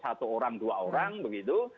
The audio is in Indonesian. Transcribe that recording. satu orang dua orang begitu